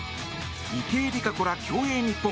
池江璃花子ら競泳日本！